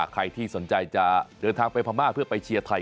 ใครที่สนใจจะเดินทางไปพม่าเพื่อไปเชียร์ไทย